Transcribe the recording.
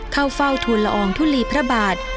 เข้าเฝ้าทุนละอองทุลีพระบาท